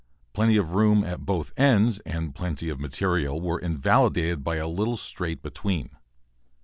Plenty of room at both ends and plenty of material were invalidated by the little strait between.